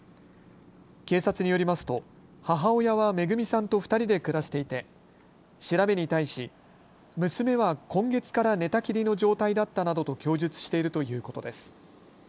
警察によりますと母親はめぐみさんと２人で暮らしていて調べに対し、娘は今月から寝たきりの状態だったなどと供述しているということです。